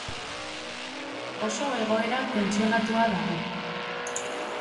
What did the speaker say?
Oso egoera tentsionatua dago.